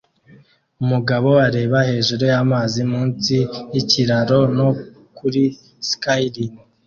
Umugabo areba hejuru y'amazi munsi yikiraro no kuri skyline